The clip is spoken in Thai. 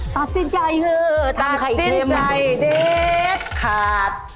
ตัดสินใจเถอะทำใครอีกเรื่องตัดสินใจเด็กค่ะ